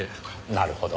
なるほど。